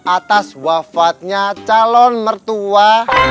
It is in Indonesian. atas wafatnya calon mertua